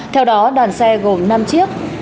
theo đó đoàn xe gồm năm chiếc